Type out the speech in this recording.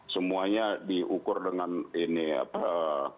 semuanya diukur dengan ini apa